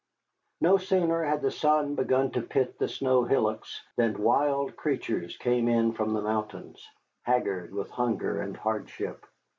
No sooner had the sun begun to pit the snow hillocks than wild creatures came in from the mountains, haggard with hunger and hardship.